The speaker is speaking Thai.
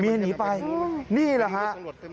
มีนหนีไปนี่แหละครับ